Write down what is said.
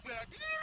dia yang merangkul